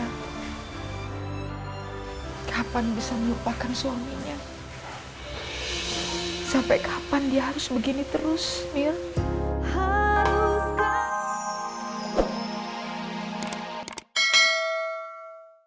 hai kapan bisa melupakan suaminya sampai kapan dia harus begini terus ya harus